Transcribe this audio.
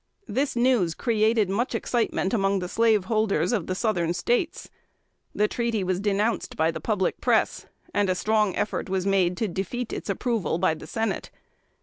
This news created much excitement among the slaveholders of the Southern States. The treaty was denounced by the public Press, and a strong effort was made to defeat its approval by the Senate.